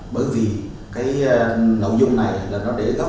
bởi vì cái nội dung này là nó để góp